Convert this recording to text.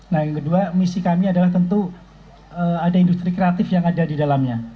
nah yang kedua misi kami adalah tentu ada industri kreatif yang ada di dalamnya